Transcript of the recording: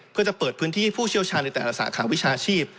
เพื่อจะเปิดพื้นที่ให้ผู้เชี่ยวชาญในแต่ละสาขาวิชาชีพ